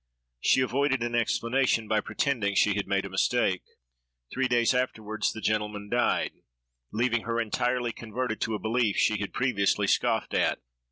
She avoided an explanation, by pretending she had made a mistake. Three days afterward the gentleman died,—leaving her entirely converted to a belief she had previously scoffed at.